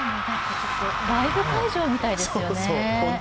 ライブ会場みたいですよね。